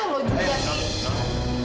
loh juga sih